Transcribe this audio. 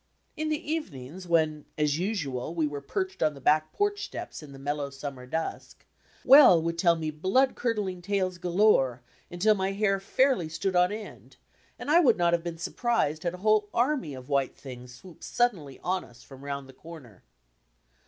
In the evenings, when, as usual, we were perched on the back porch steps in the mellow summer dusk. Well would tell me blood curdling tales galore, undl my hair fairly stood on end, and I would not have been surprised had a whole army of "white things" swooped suddenly on us from round the comer.